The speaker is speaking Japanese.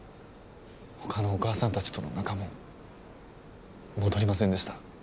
ほかのお母さんたちとの仲も戻りませんでした。